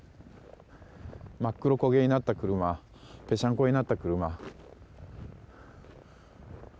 真っ黒焦げになった車ぺしゃんこになった車。